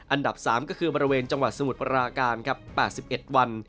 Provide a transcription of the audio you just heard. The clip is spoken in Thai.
อันดับสามก็คือประเวทจรังหวัดสมุทรปราการ๘๑วัน